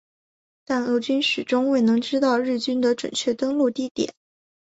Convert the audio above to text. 但俄军始终未能知道日军的准确登陆地点。